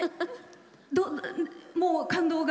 もう感動が。